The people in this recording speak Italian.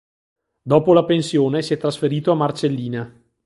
Dopo la pensione si è trasferito a Marcellina.